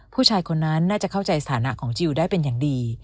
ผู้ชายคนนั้นน่าจะเข้าใจสถานะของจิลได้เป็นอย่างดี